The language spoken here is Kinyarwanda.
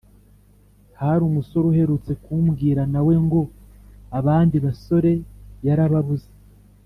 hari umusore uherutse kumbwira nawe ngo abandi basore yarababuze